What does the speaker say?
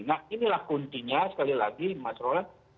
nah inilah kuncinya sekali lagi mas roland